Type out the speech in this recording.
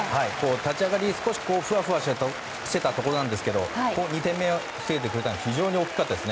立ち上がり、少しふわふわしてたとこですけど２点目を防いでくれたのは非常に大きかったです。